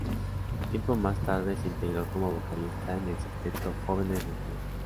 Tiempo más tarde se integró como vocalista en el sexteto "Jóvenes del Cayo".